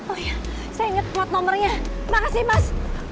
oh iya oh iya saya ingat nomernya terima kasih mas